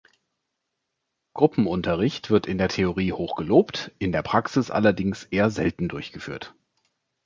Gruppenunterricht wird in der Theorie hoch gelobt, in der Praxis allerdings eher selten durchgeführt.